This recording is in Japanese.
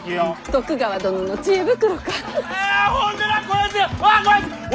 徳川殿の知恵袋か。